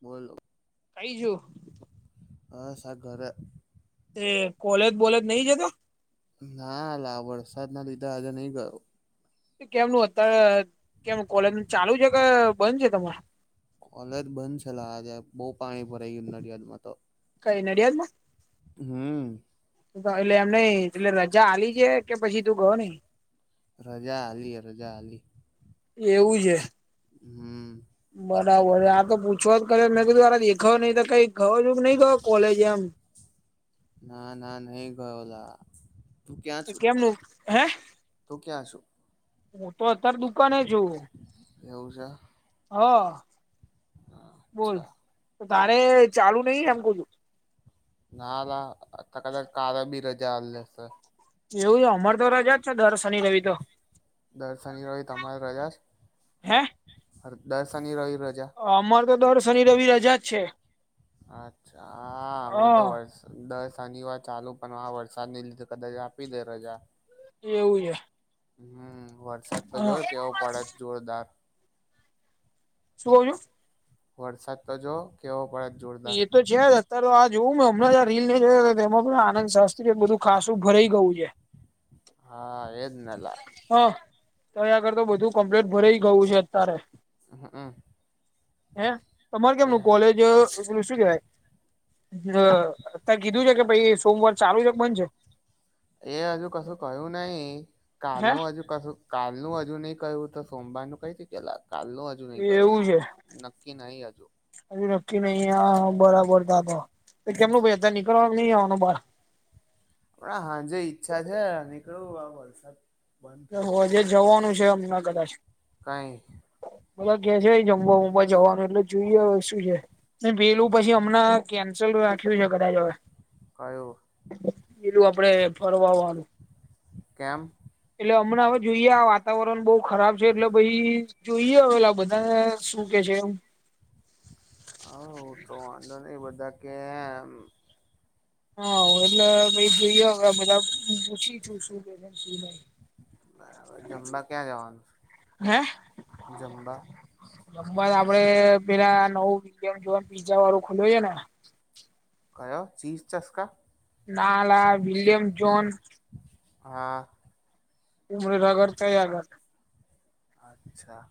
બોલો કઈ જયો? અ સા ઘરે. એ કોલેજ બોલેજ નહી જતો ના લા વરસાદના લીધે આજે નહી ગયો કેમનું અત્યારે કેમ કોલેજ ચાલુ છે, કે બંધ છે, તમારે કોલેજ બંધ છે અલા આજે બો પાણી ભરાઈ ગયું નડિયાદ માં તો કઈ નડીયાલડમાં હમ્મ. એટલે એમ નય એટલે રજા આલી છે, કે પછી તું ગયો નઈ રજા આલી રજા આલી એવું છે. હમ્મ. બરાબર આ તો પૂછવા જ કરયો મેં કીધું દેખાવ નહી તો કઈ ગયો કે નઈ ગયો કોલેજ એમ ના ના નહી ગયોલા કેમનું હે તુ ક્યાં શું? હું તો અત્યારે દુકાને છુ એવું છે હ બોલ અચ્છા તો તારે ચાલુ નહી એમ કુ છું ના લા આ કદાચ કાલે બી રજા આલેશે એવુ અમાર તો રજા જ છે, દર ર્નિ રવિ તો દર શની રવી તમારી રજા છે, હે દર શની રવિ ર જા અમાર તો દર શનિ રવિ રજા જ છે હ [unintelligible] દ શનિવાર ચાલુ પણ આ વરસાદ ને લીધે કદાચ આપી દે રજા એવું છે. હમ વરસાદ તો હ જોય કેવો પડે જોરદાર શુ કવ છો? વરસાદ તો જો કેવો પડે જોરદાર એ તો છે, જ અત્યારે તો આ જોવું હમણાં રીલ ને જો એમાં પણ આનંદ [unintelligible] બધું ખાસું ભરાઈ ગયું છે. હા એજ નેલા હ તો અયા કર તો બધું કમ્પ્લેટ ભરા ગયું છે, અત્યારે હમ હે તમારે કેમનું કોલેજ ઓલુ શું કેવાય? [unintelligible] કીધું છે, કે ભઈ સોમવાર ચાલુ છે કે બન છે? એ હજુ કશું કયું નહી છે કાલનું હજુ કશુંક કાલનું હજુ નહી કયું તો સોમવાર નું કઈ થી કાલ નું હજુ જુ નહી હે કયુ એવું છે નક્કી નહી હજુ હજુ નક્કી નહી આ બરાબર તા તો કેમનું પહી નીકળવાનું નહી આવવાનું બાર [unintelligible] હાજે ઈચ્છા છે, નીકળું વરસાદ બંધ થાય તો [unintelligible] જવાનું છે હમણાં કદાચ. કઈ બધા કે છે, જમવા ઉમવા જવાનું એટલે જોઈએ શું છે, વેલું પછી હમણાં કેન્સલ રાખ્યું છે, કદાચ હવે કયું પેલું આપડે ફરવાવાનું કેમ? એટલે અમણાં હવે જોઈએ વાતાવરણ બોવ ખરાબ છે, એટલે ભાઈ જોઈએ હવેલા બધાને શું કે છે, એમ હ તો વાંધો નય બધા કે એમ હ એટલે જોઈયો હવે બધા પૂછી છું શું [unintelligible] બરાબર જમબા ક્યાં જવાનું છે, જમબા? રમવા આપડે પેલા નવુ ગેમ ઝોન પીઝા વાળું ખુલ્યું હે ને કયો ચીઝ ચસ્કા? ના અલા વિલિયમ જોન હા. થોડી ભગવત કરી આપવાની અચ્છા.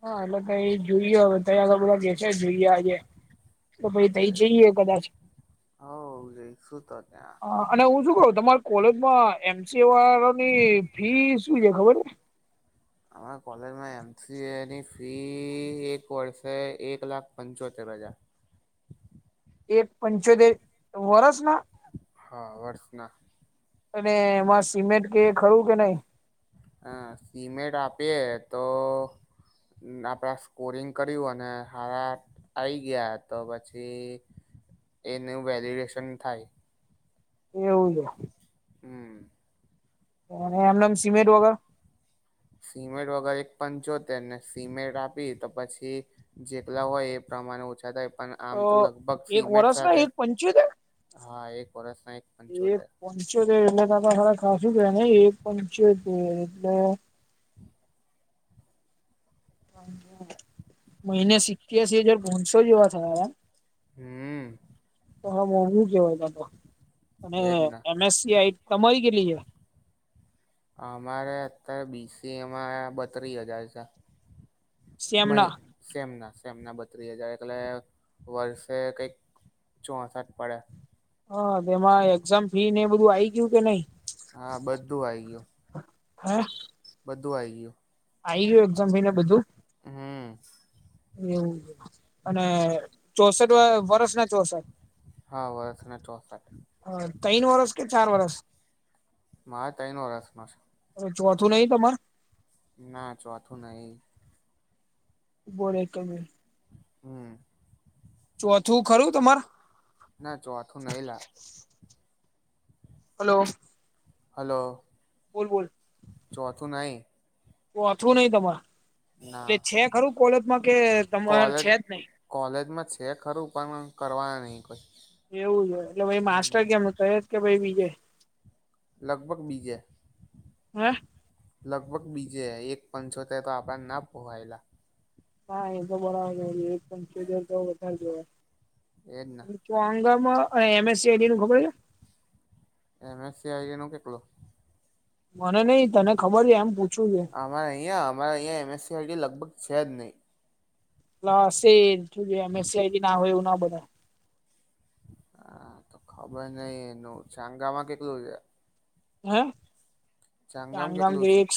હા એટલે ક એ જોઈએ હવે તધ કે છે જોઈએ આજે. તો ભાઈ તઈ જઈએ કદાચ હવ જઈશું તો ત્યાં હા. અને હું શું કરું તમારી કોલેજમાં એમસી વા ની ફી શું છે ખબર? અરા કોલેજમાં એમસી એની ફી એક વર્ષે એક લાખ- - પંચોતેર હજાર. એક પંચોતેર વર્ષ ના? હા વર્ષના અને એમાં સિમેન્ટ કે ખરું કે નહી? હા સિમેન્ટ આપીએે તો- - આપડા સ્કોરિંગ કર્યું અને હાર- - આવી ગયા તો પછી- - એનું વેલિડેશન થાય. એવું છે. હમ્મ. એમ સીમેન્ટ વગર- સિમેટ વગર એક પણ જોતેને સિમેટ આપી તો પછી- - જેટલા હોય એ પ્રમાણે ઓછા થાય. પણ આમ તો લગભગ એક સીમેટ વરસ ના સાથે એક પંચોતેર હા એક વર્ષના એક એક પંચોતેર- - પંચોતેર એલે ત તો ખ ખાસું છેયા ને એ પંચોતેર એટલે- - મહિને સિત્યાસી હજાર ભણસો જેવા થયા. હમ્મ. હાવું કેવા ત અને એજ ને એમએસસી આઈ તમારી કેટલી છે? અમારે અત્યારે બીસી એમાં બત્રીસ હજાર છે. સેમ ના મય- - સેમ ના સેમ ના બત્રીસ હજાર એટલે વર્ષે કઈક ચોસઠ પડે. હા તેમાં એક્ઝામ ફી ને એ બધું આવી- - હા બધું આઈ ગયું બધું આઈ ગયું. આ આવી ગયું એકઝમ મહિને બધું? હમ્મ. એવું અને ચોસઠ વર્ષ ના ચોસઠ. હા વર્ષને ચોસાઠ. હ તીન વર્ષે કે ચાર વર્ષ? મા તૈ ન વરસ નો છે. હવે ચોથું નઈ તમારે? ના ચોથું નહી બોલો કમે હમ્મ. ચોથું ખરું તમાર? ના ચો આખું નઈલા. હલો હલો ચોથું નઈ તો અથું નઈ તમાર ના એટલે છે ખરું કોલેજમાં કે તમાર કોલેજ છે જ નઈ કોલેજમાં છે ખરું પણ કરવાના નહી કોઈ. એવું જ એટલે ભાઈ હમ માસ્ટર ગેમ ક જ કે ભાઈ બીજે? લગભગ બીજે. હે લગભગ બીજે એક પં છોતેર તો આપણને ના પોહાયેલા હા એ તો બરા એક છે દર તો વધારે જેવા. એજના. તો આંગમ અને એમએસસીડી નું ખબર છે? એમ સ એ આઈ નો કેટલો મને નઈ તને ખબર છે એમ પૂછવું છે. અમારે અહીંયા અમારે અહીંયા એમએસસીઆઇટી લગભગ છે જ નહીં. હશે જ એમએસસી આઇટી ના હોય એવું ના બને. હા તો ખબર નઈ એનું ચાંગામાં કેટલું છે? હે ચાંગામાં ચાંગામ કેટલું છે એક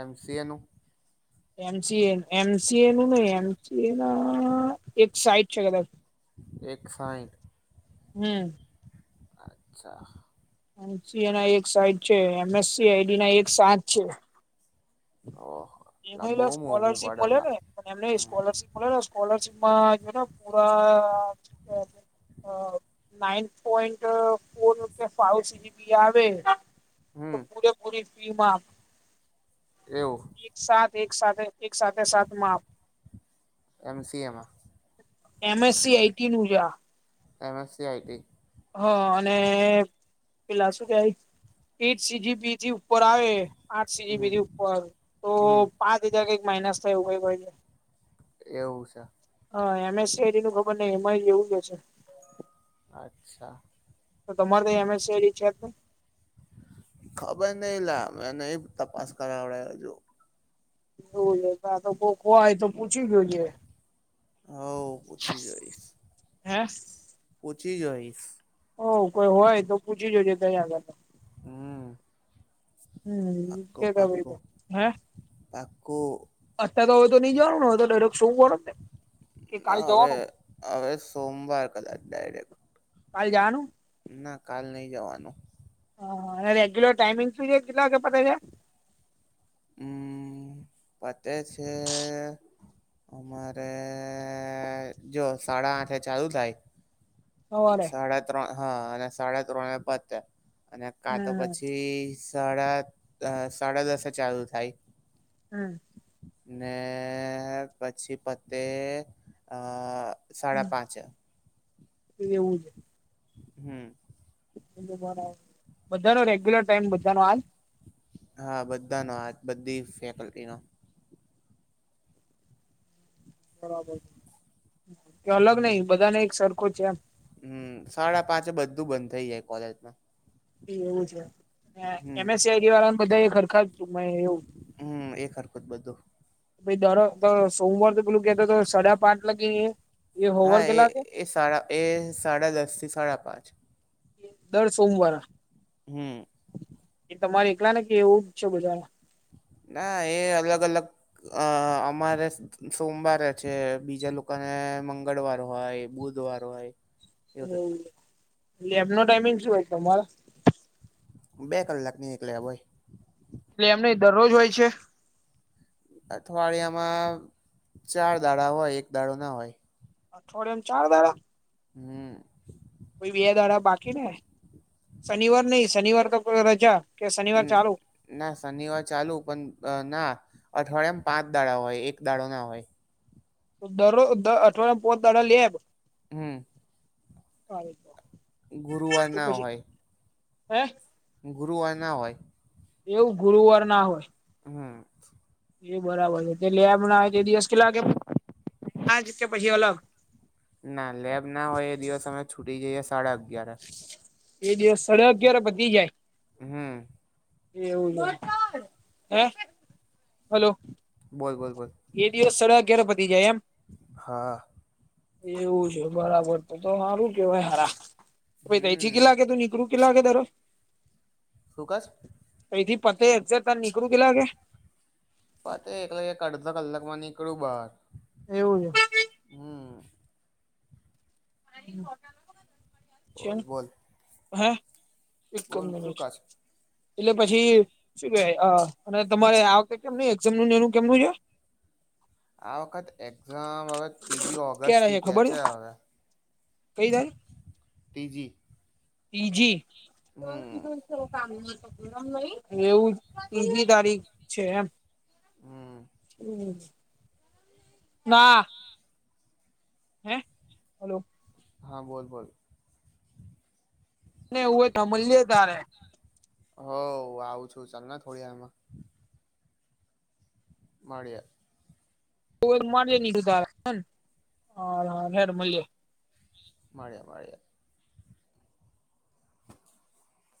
એમસીએ નું [inaudible] એમ C A M C A નું નહ એમ સી એ નુ એક સાઈટ છે કદાચ એક સાઇઠ હમ્મ અચ્છા એસી એ ના એક સાઈઠ છે એમએસસી આઈડી ના એક સાત છે ઓહો ઈ લા બહુ માલે મોંઘું સ્કોલરશીપ પડે મળે લા ને એમને ઈ હમ સ્કોલરશીપ મળે ને સ્કોલરશીપમાં જો ને પૂરા અ નાઇન પોઈન્ટ ફોર રૂપિયા ફાય સી જ઼ી પી આવે તો હમ પૂરેપૂરી ફી માં એવું એક સાથ એક સાથેથે એક સાથેથે સાત માફ એમસી એમાં એમ એસસી આઈટી નું જે આ M F C I T હા અને પેલા શું કેવાય ઈટ સી જી પી જ઼ી ઉપર આવે પાંચ સી જ઼ી હમ પી જ઼ી ઉપર તો હમ પાંચ હજાર કઈક માઇનસ થાય એવું કઈ હોય છે એવું છે હ એમએસસીઆઈટી નું ખબર ની એમા ઈ એવું જ હશે અચ્છા તો તમારે તા M S C I T છે ખબર ની લા મે ની તપાસ કરાવડે હજુ બોલો આ તો કો આયે તો પૂછી જોયે હોવ પૂછી જોઈશ હે પૂછી જોઈશ હોવ કોઈ હોય તો પૂછી જોજે ત્ય આગળ હમ્મ હમ્મ [unintelligible] હે પાક્કો અત્ય્યારે તો હવે તો ની જવાનું ને હવે તો ડાયરેક્ટ સોમવાર ને કે કાલે ના હવે જવાનું હવે સોમવાર કદાચ ડાયરેક્ટ કાલ જવાનુ ના કાલ ની જવાનું હા અને રેગ્યુલર ટાઈમિંગ પિરિયડ કેટલા વાગે પતે છે હમ્મ પતે છે અમારે જો સાડા આઠ ચાલુ થાય સવારે સાડા ત્રણ હા અને સાડા ત્રણે પતે અને કા તો હમ પછી સાડા સાડા દસે ચાલુ થાય હમ્મ ને પછી પતે અ સાડા પાંચે એ એઉ જ. હમ્મ. બધા નો રેગ્યુલર ટાઈમ બધા નો આજ. હા બધાનો આજ, બધી ફેકલ્ટી નો. એ અલગ નહિ, હમ બધાને એક સરખો છે એમ. હમ સાડાપાંચે બધું બંધ થઇ જાય કોલેજમાં એવું છે હમ એમએસઆઈડીવાળા બધા સરખા એવું હમ એક હરખું બધું ભય દરવખતે સોમવાર તો પેલું કેતો તો સડા પાંચ લગી એ હોવર હા એ કેલા વાગે એ સાડા એ સાડાદસ થી સાડાપાંચ દર સોમવારે હમ એ તમારે એકલા ને કેવું છે બધાં હા એ અલગ અલગ અ અમારે સોમવારે છે બીજા લોકોને મંગળવાર હોય બુધ ધવાર હોય એવું રીતના એવુ એમનો ટાઈમિંગ શું હોય છે તમારો બે કલાક નીકળ્યા હોય એમ નઈ દરરોજ હોય છે અઠવાડિયામાં ચાર દાડા હોય એક દાડા ના હોય અઠવાડિયા ચાર દડા હમ બે દાડા બાકી ને શનિવાર નહી શનિવાર તો રજા કે શનિવાર હમ ચાલુ ના શનિવાર ચાલુ પણ અ ના અઠવાડિયામાં પાંચ દાડા હોય એક દાડો ના હોય દરો દ અઠવાડિયામાં બો દાડા લે હમ [unintelligible] ગુરુવાર તો ના પછી હોય હે ગુરુવાર ના હોય એવું ગુરુવાર ના હોય હમ એ બરાબર છે તેડી એમના એ ટીડીએસ કેટલા લાગે [inaudible] પછી અલગ ના લેબ ના હોય એ દિવસ અમે છૂટી જઈએ સાડા અગિયાર એ દિવસ સાડા અગ્યયાર પતી જાય હમ એવું હે હલો બોલ બોલ બોલ એ દિવસ સડા અગ્યારે પતી જાય એમ હા એવું છે બરાબર તો તો સારું કેવાય સારા પછી તથી હમ કેટલા તું નીકરું કેટલાાગે તારો રોકાસ તઈથી પતે એક્જે નીકળું કેટલા વાગે પતે એટલે એક અડધા કલાકમાં નીકળું બહાર એવું હમ છે બોલ બોલ હ એકજ બોલ શું મિનિટ કશ એટલે પછી શું કેવાય અ તમારે આ વખતે કેમ એઝામ નું ને એનું કેમનું છે આ વખત એક્ઝામ હવે ત્રીજી ઓગસ્ટથી કે છે હવે થઈ જાય ત્રીજી તિજી હમ એવું ત્રીજી તારીખ છે એમ હમ હમ વા હે બોલો હા બોલ બોલ ને હું હોય મળએ તારે હ આવું છું ચાલને થોડી વાારમાં. મળ્યા. [unintelligible] મળ્યા મળ્યા